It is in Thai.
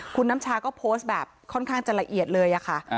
คุณน้ำชาก็โพสต์แบบค่อนข้างจะละเอียดเลยอะค่ะ